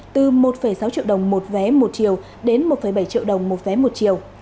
từ một sáu triệu đồng một vé một chiều đến một bảy triệu đồng một vé một chiều